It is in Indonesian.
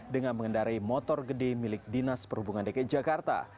dengan mengendarai motor gede milik dinas perhubungan dki jakarta